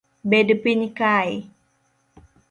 Bed piny kae